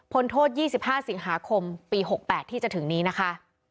โทษ๒๕สิงหาคมปี๖๘ที่จะถึงนี้นะคะ